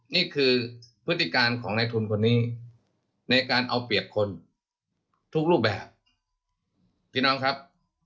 นี่คือพฤติการของนายทุนคนนี้ในการเอาเปียกคนทุกรูปแบบ